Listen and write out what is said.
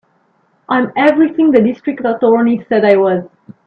I'm everything the District Attorney said I was.